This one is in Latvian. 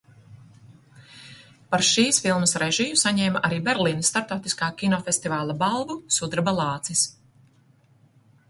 "Par šīs filmas režiju saņēma arī Berlīnes starptautiskā kinofestivāla balvu "Sudraba lācis"."